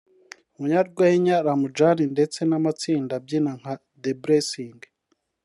umunyarwenya Ramjan ndetse n’amatsinda abyina nka The Blessings